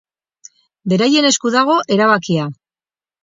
Beraien esku dago erabakia.